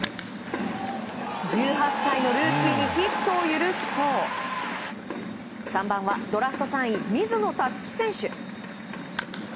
１８歳のルーキーにヒットを許すと３番はドラフト３位水野達稀選手。